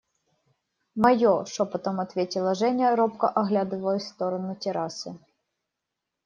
– Мое, – шепотом ответила Женя, робко оглядываясь в сторону террасы.